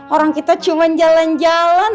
orang kita cuma jalan jalan